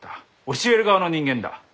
教える側の人間だ。